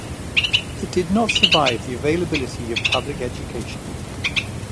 It did not survive the availability of public education.